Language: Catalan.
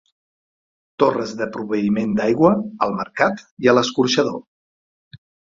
Torres de proveïment d'aigua al mercat i a l'escorxador.